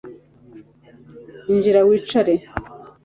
Injira wicare